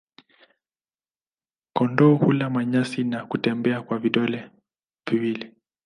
Kondoo hula manyasi na kutembea kwa vidole viwili.